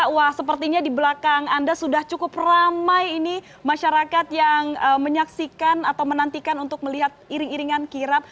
wah sepertinya di belakang anda sudah cukup ramai ini masyarakat yang menyaksikan atau menantikan untuk melihat iring iringan kirap